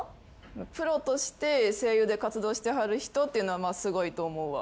プロとして声優で活動してはる人っていうのはすごいと思うわ。